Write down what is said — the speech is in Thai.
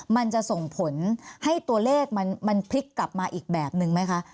มันจะส่งผลให้ตัวเลขมันพลิกกลับมาอีกแบบนึงไหมคะ